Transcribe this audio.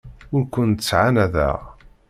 Ur kent-ttɛanadeɣ.